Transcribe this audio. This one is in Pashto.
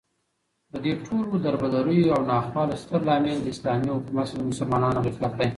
ددې ټولو دربدريو او ناخوالو ستر لامل داسلامې حكومت څخه دمسلمانانو غفلت دى